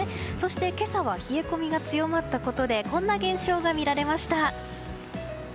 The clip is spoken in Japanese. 今朝は冷え込みが強まったことでこんな現象が見られました。